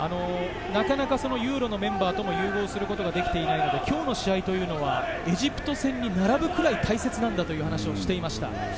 ユーロのメンバーと融合することができていないので、今日の試合はエジプト戦に並ぶくらい大切なんだと話していました。